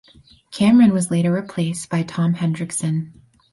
Cameron was later replaced by Tom Hendrickson.